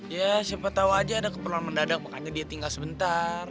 ya siapa tahu aja ada keperluan mendadak makanya dia tinggal sebentar